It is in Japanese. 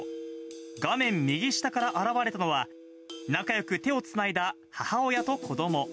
画面右下から現れたのは、仲よく手をつないだ母親と子ども。